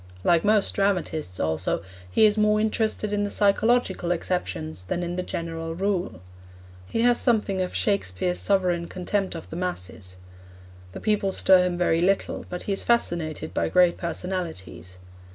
Like most dramatists, also, he is more interested in the psychological exceptions than in the general rule. He has something of Shakespeare's sovereign contempt of the masses. The people stir him very little, but he is fascinated by great personalities.